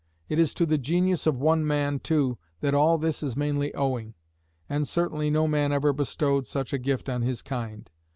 It is to the genius of one man, too, that all this is mainly owing; and certainly no man ever bestowed such a gift on his kind.